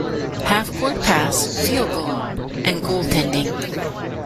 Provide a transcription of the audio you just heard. half-court pass, field goal and goaltending.